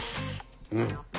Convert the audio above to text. うん。